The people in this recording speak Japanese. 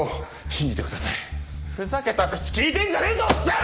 ふざけた口利いてんじゃねえぞおっさん！